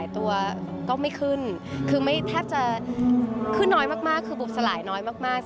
แทบจะขึ้นน้อยมากคือบุบสลายน้อยมาก